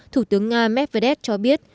thủ tướng nga medvedev cho biết